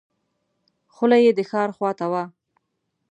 خوله یې د ښار خواته وه.